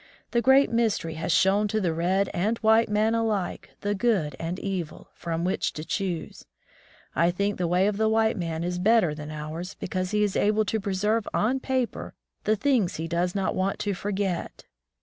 The Great Mystery has shown to the red and white man alike the good and evil, from which to choose. I think the way of the white man is better than ours, because he is able to pre serve on paper the things he does not want to forget.